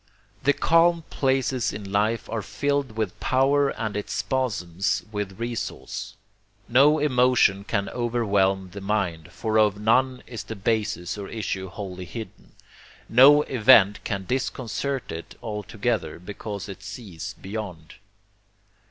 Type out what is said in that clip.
The calm places in life are filled with power and its spasms with resource. No emotion can overwhelm the mind, for of none is the basis or issue wholly hidden; no event can disconcert it altogether, because it sees beyond.